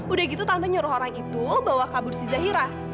udah gitu tante nyuruh orang itu bawa kabur si zahirah